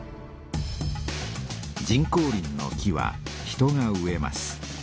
人工林の木は人が植えます。